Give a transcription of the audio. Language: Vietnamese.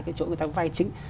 cái chỗ người ta vay chính